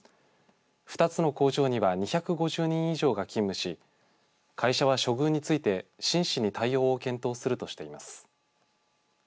２つの工場には２５０人以上が勤務し会社は処遇について真摯に対応を検討するとしています。